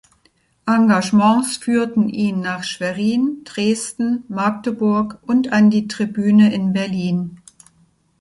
Engagements führten ihn nach Schwerin, Dresden, Magdeburg und an die Tribüne in Berlin.